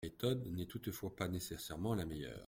La méthode n’est toutefois pas nécessairement la meilleure.